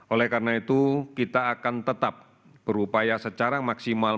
oleh karena itu kita akan tetap berupaya secara maksimal